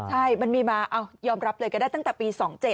ใช่มันมีมายอมรับเลยก็ได้ตั้งแต่ปี๒๗